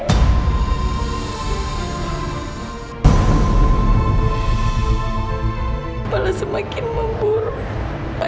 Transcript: kepala semakin memburuk